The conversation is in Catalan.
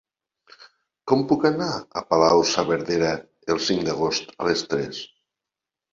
Com puc anar a Palau-saverdera el cinc d'agost a les tres?